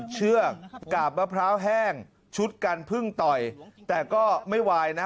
เชือกกาบมะพร้าวแห้งชุดกันพึ่งต่อยแต่ก็ไม่วายนะ